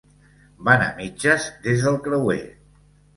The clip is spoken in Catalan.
Van a mitges des del creuer.